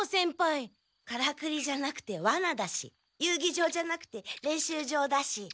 からくりじゃなくてワナだし遊ぎ場じゃなくて練習場だし。